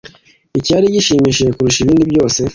Icyari gishimishije kurusha ibindi byose